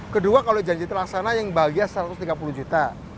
kedua kalau janji terlaksana yang bahagia satu ratus tiga puluh juta